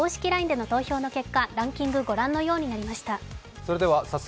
ＬＩＮＥでの投票の結果、ランキングは御覧のようになりました。